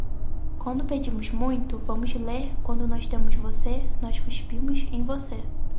Quando pedimos muito, vamos ler; quando nós temos você, nós cuspimos em você.